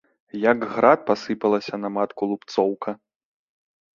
Як град, пасыпалася на матку лупцоўка.